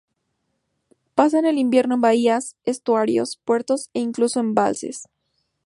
Pasan el invierno en bahías, estuarios, puertos e incluso embalses.